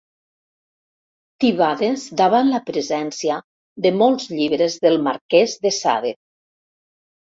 Tibades davant la presència de molts llibres del marquès de Sade.